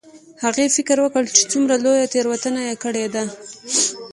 هغې فکر وکړ چې څومره لویه تیروتنه یې کړې ده